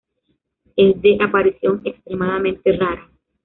Es de aparición extremadamente rara.